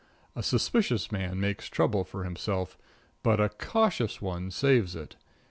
A suspicious man makes trouble for himself, but a cautious one saves it.